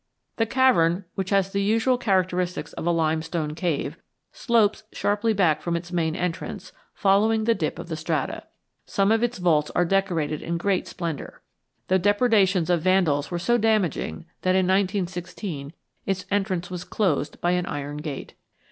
The cavern, which has the usual characteristics of a limestone cave, slopes sharply back from its main entrance, following the dip of the strata. Some of its vaults are decorated in great splendor. The depredations of vandals were so damaging that in 1916 its entrance was closed by an iron gate.